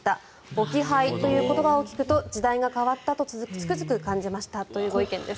置き配という言葉を聞くと時代が変わったとつくづく感じましたということです。